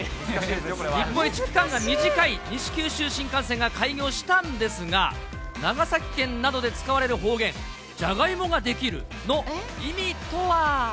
日本一区間が短い西九州新幹線が開業したんですが、長崎県などで使われる方言、じゃがいもができるの意味とは。